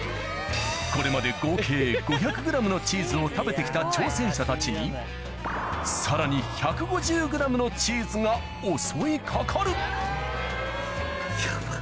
これまで合計５００ｇのチーズを食べて来た挑戦者たちにさらに１５０ｇのだがあっ。